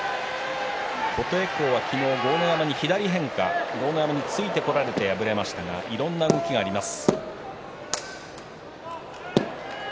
琴恵光は昨日豪ノ山に変化してついてこられましたがいろんな動きがあります。